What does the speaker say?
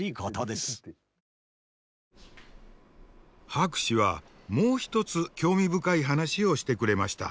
博士はもう一つ興味深い話をしてくれました。